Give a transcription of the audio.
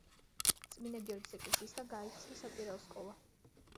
წმინდა გიორგის ეკლესიასთან გაიხსნა საკვირაო სკოლა.